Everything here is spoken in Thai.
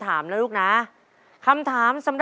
ตัวเลือกที่สอง๘คน